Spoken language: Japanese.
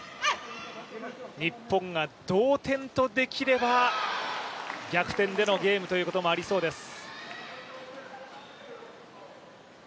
日本が同点とできれば逆転でのゲームということもありそうです。